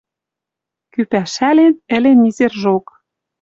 Кӱ пӓшӓлен — ӹлен незержок.